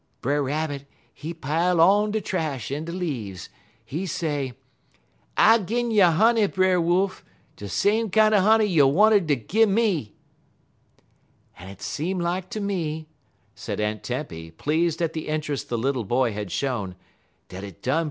"Brer Rabbit he pile on de trash en de leaves. He say: "'I'll gin you honey, Brer Wolf; de same kinder honey you wanted ter gimme.' "En it seem like ter me," said Aunt Tempy, pleased at the interest the little boy had shown, "dat it done Brer Wolf des right."